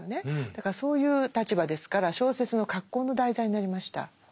だからそういう立場ですから小説の格好の題材になりました。